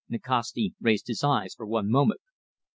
Nikasti raised his eyes for one moment.